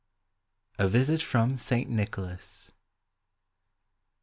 A VISIT FROM ST. NICHOLAS.